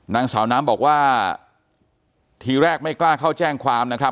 นางสาวน้ำบอกว่าทีแรกไม่กล้าเข้าแจ้งความนะครับ